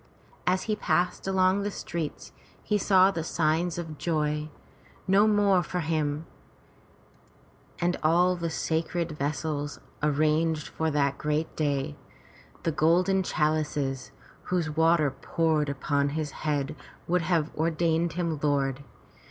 As he passed along the streets, he saw the signs of joy, no more for him, and all the sacred vessels arranged for that great day, the golden chalices, whose water poured upon his head would have ordained him lord.